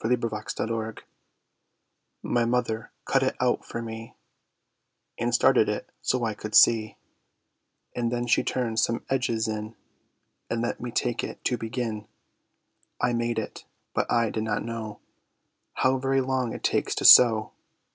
_ The Masterpiece My Mother cut it out for me, And started it, so I could see; And then she turned some edges in, And let me take it to begin. I made it. But I did not know How very long it takes to sew.